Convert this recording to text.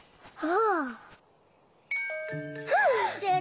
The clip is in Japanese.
ああ！